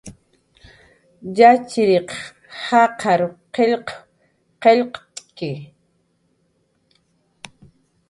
Yatxchiriq jaqar qillq qillqt'ki